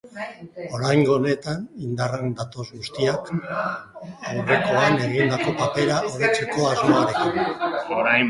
Oraingo honetan, indarrean datoz guztiak, aurrekoan egindako papera hobetzeko asmoarekin.